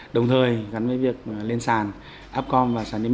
đồng thời gắn với việc lên sàn